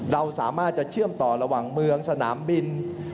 เราสามารถจะเชื่อมต่อระหว่างเมืองสนามบิน